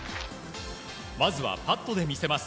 まずはパットで見せます。